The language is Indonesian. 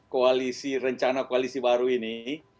koalisi rencana koalisi baru ini